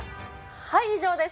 はい、以上です。